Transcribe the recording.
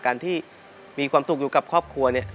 การที่มีความสุขอยู่กับครอบครัวเนี่ย